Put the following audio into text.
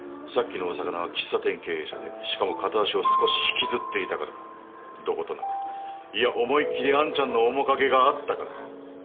さっきのオサカナは喫茶店経営者でしかも片足を少し引きずっていたからどことなくいや思い切りあんちゃんの面影があったから。